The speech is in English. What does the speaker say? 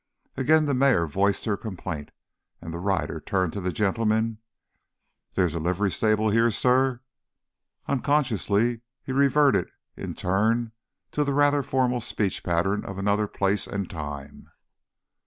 Again the mare voiced her complaint, and the rider turned to the gentleman. "There is a livery stable here, suh?" Unconsciously he reverted in turn to the rather formal speech pattern of another place and time.